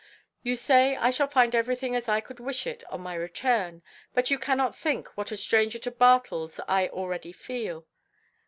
You say I shall find everything as I could wish it on my return, but you cannot think what a stranger to Bartles I already feel.